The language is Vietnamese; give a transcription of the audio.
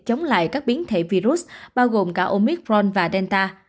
chống lại các biến thể virus bao gồm cả omicron và delta